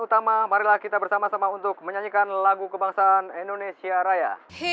utama marilah kita bersama sama untuk menyanyikan lagu kebangsaan indonesia raya